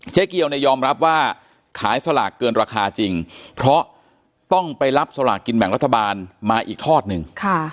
เกียวเนี่ยยอมรับว่าขายสลากเกินราคาจริงเพราะต้องไปรับสลากกินแบ่งรัฐบาลมาอีกทอดหนึ่ง